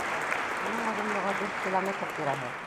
Уның оҙонлоғо дүрт километр тирәһе.